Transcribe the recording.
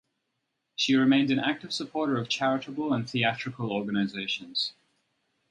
She remained an active supporter of charitable and theatrical organizations.